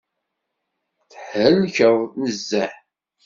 Thelkeḍ nezzeh.